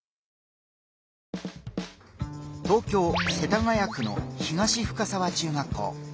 東京・世田谷区の東深沢中学校。